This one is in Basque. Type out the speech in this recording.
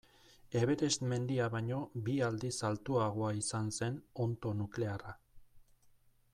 Everest mendia baino bi aldiz altuagoa izan zen onddo nuklearra.